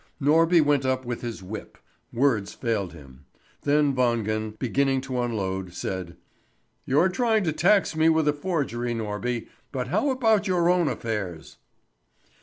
Norby went up with his whip. Words failed him. Then Wangen, beginning to unload, said: "You're trying to tax me with a forgery, Norby, but how about your own affairs?"